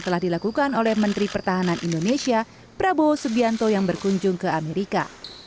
telah dilakukan oleh menteri pertahanan indonesia prabowo subianto yang berkunjung ke amerika